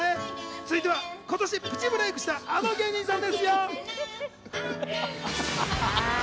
続いては今年プチブレイクしたあの芸人さんですよ。